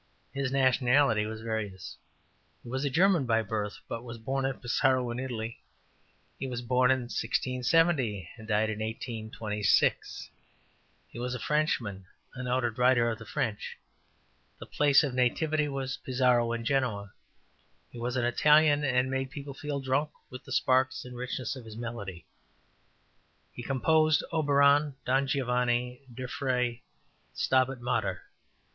His nationality was various. He was `a German by birth, but was born at Pesaro in Italy'; `he was born in 1670 and died 1826'; he was a `Frenchman,' `a noted writer of the French,' the place of nativity was `Pizzarro in Genoa'; he was `an Italian, and made people feel drunk with the sparke and richness of his melody'; he composed Oberon, Don Giovanni; Der Frischutz, and Stabet Matar.